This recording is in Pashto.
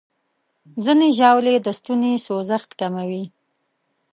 ځینې ژاولې د ستوني سوځښت کموي.